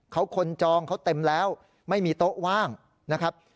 เขาคนจองเขาเต็มแล้วไม่มีโต๊ะว่างนะครับ